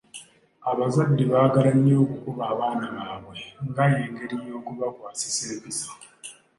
Abazadde baagala nnyo okukuba abaana baabwe nga engeri y'okubakwasisa empisa.